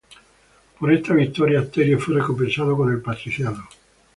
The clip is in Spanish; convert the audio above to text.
Por esta victoria, Asterio fue recompensado con el patriciado.